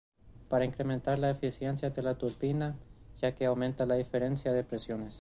Para incrementar la eficiencia de la turbina ya que aumenta la diferencia de presiones.